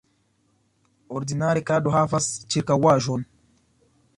Ordinare krado havas ĉirkaŭaĵon.